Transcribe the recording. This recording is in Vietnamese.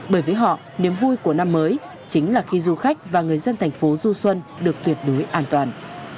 bởi với họ niềm vui của năm mới chính là khi du khách và người dân thành phố du xuân được tuyệt đối an toàn